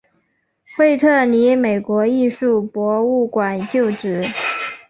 惠特尼美国艺术博物馆旧址。